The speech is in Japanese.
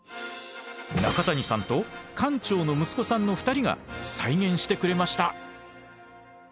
中谷さんと館長の息子さんの２人が再現してくれました！